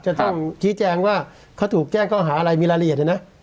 จะต้องชี้แจงว่าเขาถูกแจ้งข้อหาอะไรมีรายละเอียดเลยนะ